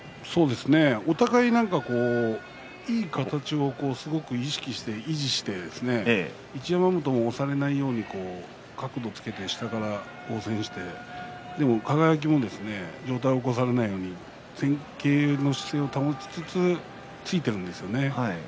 お互いいい形を維持して一山本も押されないように角度をつけて、下から応戦してでも輝も上体起こされないように前傾の姿勢を保ちつつ突いているんですね。